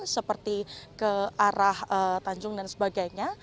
seperti ke arah tanjung dan sebagainya